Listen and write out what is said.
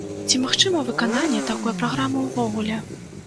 Ці магчыма выкананне такой праграмы ўвогуле?